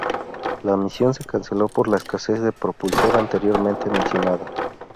La misión se canceló por la escasez de propulsor anteriormente mencionada.